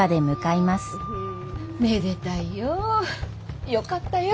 めでたいよ。よかったよ！